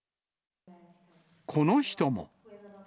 この人も。